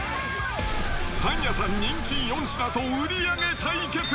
パン屋さん人気４品と売り上げ対決。